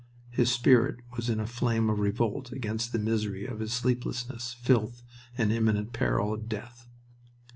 His spirit was in a flame of revolt against the misery of his sleeplessness, filth, and imminent peril of death.